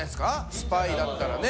スパイだったらね。